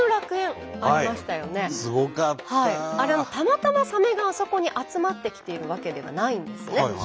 あれたまたまサメがあそこに集まってきているわけではないんですね。